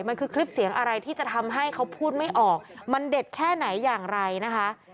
มันคือคลิปเสียงอะไรที่จะทำให้เขาพูดไม่ออกมันเด็ดแค่ไหนอย่างไรนะคะ